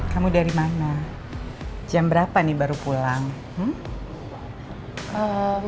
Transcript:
kamu dari mana jam berapa nih baru pulang